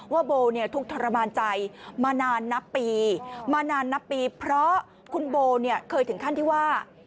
ว่าโบถูกทรมานใจมานานนับปีเพราะคุณโบเคยถึงขั้นที่ว่า